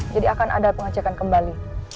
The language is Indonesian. jadi akan ada pengecekan kembali